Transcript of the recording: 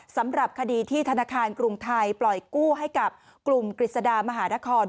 สำหรับคดีที่ธนาคารกรุงไทยปล่อยกู้ให้กับกลุ่มกฤษฎามหานคร